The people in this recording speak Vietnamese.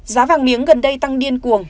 giá vàng miếng gần đây tăng điên cuồng